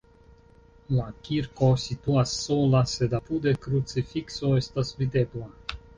La kirko situas sola, sed apude krucifikso estas videbla.